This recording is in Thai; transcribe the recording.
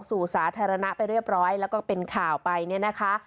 สู่สาธารณะไปเรียบร้อยแล้วก็เป็นข่าวไปเนี่ยนะคะ